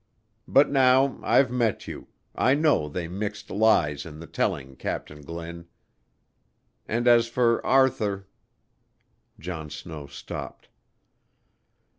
But now I've met you, I know they mixed lies in the telling, Captain Glynn. And as for Arthur " John Snow stopped.